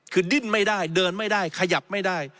คือดิ้นไม่ได้เดินไม่ได้ขยับไม่ได้